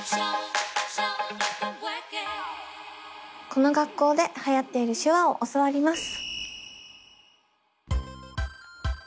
この学校ではやっている手話を教わります。